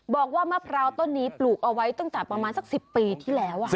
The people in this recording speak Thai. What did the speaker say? บอกว่ามะพร้าวต้นนี้ปลูกเอาไว้ตั้งแต่ประมาณสัก๑๐ปีที่แล้ว